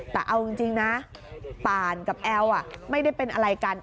แต่เอาจริงนะปานกับแอลไม่ได้เป็นอะไรกัน